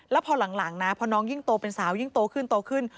แล้วพอหลังพอน้องยิ่งโตเป็นสาวยิ่งโตขึ้น